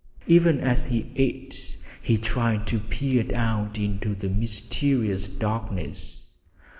Even as he ate he tried to peer out into the mysterious darkness.